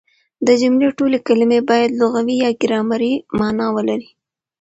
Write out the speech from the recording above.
د جملې ټولي کلیمې باید لغوي يا ګرامري مانا ولري.